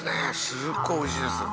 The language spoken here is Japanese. すっごいおいしいです。